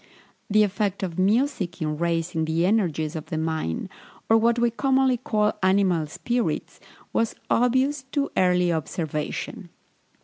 The effect of music in raising the energies of the mind, or what we commonly call animal spirits, was obvious to early observation.